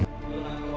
saya tidak tahu